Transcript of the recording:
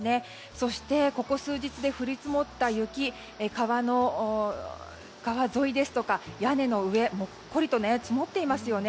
そして、ここ数日で降り積もった雪、川沿いですとか屋根の上、もっこりと積もっていますよね。